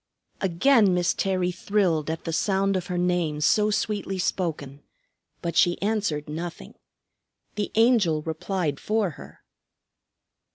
Again Miss Terry thrilled at the sound of her name so sweetly spoken; but she answered nothing. The Angel replied for her.